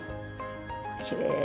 きれい！